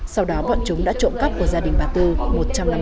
sau đó bọn chúng đã trộm cắp của gia đình bà tư một trăm năm mươi triệu đồng